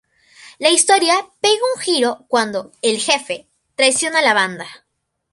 La historia pega un giro cuando "el jefe" traiciona a la banda.